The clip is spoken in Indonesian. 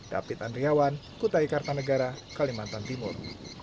david andriawan kutai kartanegara kalimantan timur